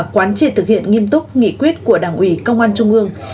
quán triệt thực hiện nghiêm túc nghị quyết của đảng ủy công an trung ương